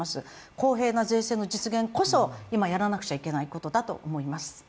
公平な税制の実現こそ今やらなくちゃいけないことだと思います。